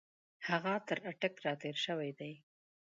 هغه تر اټک را تېر شوی دی.